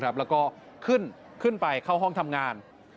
แล้วก็ขึ้นไปเข้าห้องทำงาน